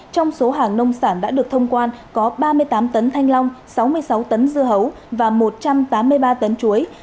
trong số hàng nông sản đã được thông quan có ba mươi tám tấn thanh long sáu mươi sáu tấn dưa hấu và một trăm tám mươi ba tấn chuối